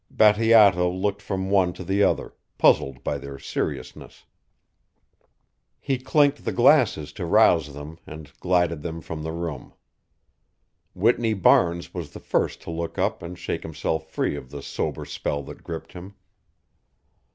Bateato looked from one to the other, puzzled by their seriousness. He clinked the glasses to rouse them and glided from the room. Whitney Barnes was the first to look up and shake himself free of the sober spell that gripped him.